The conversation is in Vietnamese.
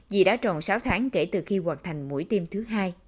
vì đã tròn sáu tháng kể từ khi hoạt thành mũi tiêm thứ hai